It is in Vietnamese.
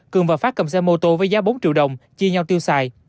cường và phát cầm xe mô tô với giá bốn triệu đồng chia nhau tiêu xài